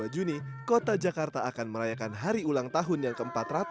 dua puluh dua juni kota jakarta akan merayakan hari ulang tahun yang ke empat ratus sembilan puluh